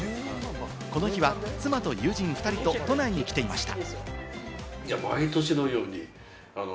この日は妻と友人２人と都内に来ていました。